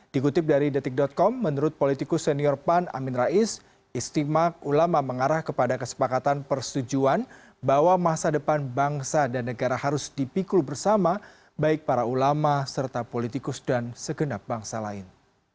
dikutip dari detik com menurut politikus senior pan amin rais istimewa ulama mengarah kepada kesepakatan persetujuan bahwa masa depan bangsa dan negara harus dipikul bersama baik para ulama serta politikus dan segenap bangsa lain